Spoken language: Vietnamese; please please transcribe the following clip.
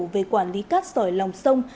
về quản lý cát sỏi lòng sông